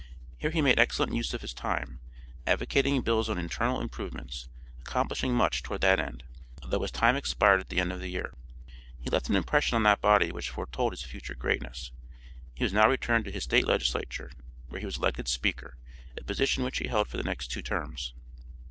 Here he made excellent use of his time, advocating bills on internal improvements, accomplishing much toward that end, although his time expired at the end of the year. He left an impression on that body which foretold his future greatness. He was now returned to his State legislature where he was elected speaker, a position which he held for the next two terms.